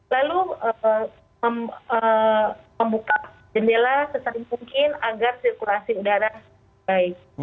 lalu membuka jendela sesering mungkin agar sirkulasi udara baik